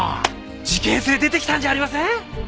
事件性出てきたんじゃありません？